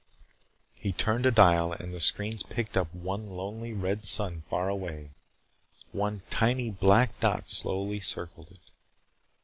He turned a dial and the screens picked up one lone red sun far away. One tiny black dot slowly circled it.